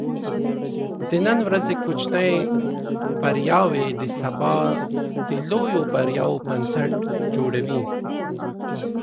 د نن ورځې کوچني بریاوې د سبا د لویو بریاوو بنسټ جوړوي.